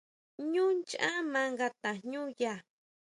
ʼÑú nchá maa nga tajñúya.